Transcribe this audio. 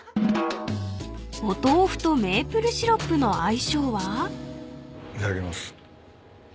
［お豆腐とメープルシロップの相性は］いただきます。